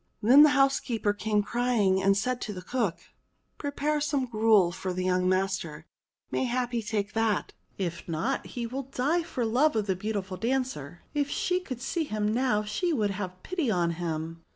Then the housekeeper came crying and said to the cook, "Prepare some gruel for young master. Mayhap he'd take that. If not he will die for love of the beautiful dancer. If she could see him now she would have pity on him."